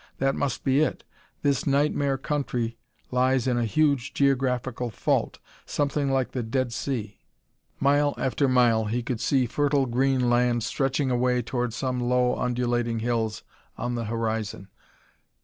That must be it: this nightmare country lies in a huge geographical fault something like the Dead Sea." Mile after mile he could see fertile green land stretching away toward some low undulating hills on the horizon.